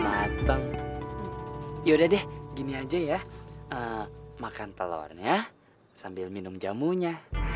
mateng yaudah deh gini aja ya makan telurnya sambil minum jamunya